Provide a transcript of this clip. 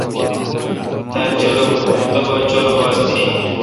تبا چور باس تھی۔